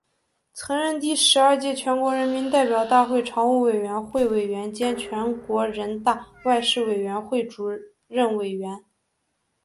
曾任第十二届全国人民代表大会常务委员会委员兼全国人大外事委员会主任委员。